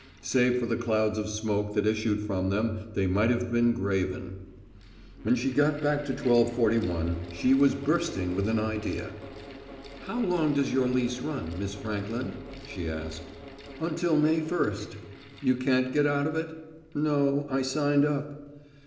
Save for the clouds of smoke that issued from them they might have been graven. When she got back to 1241 she was bursting with an idea. "How long does your lease run, Miss Frankland?" she asked. "Until May first." "You can't get out of it!" "No, I signed up."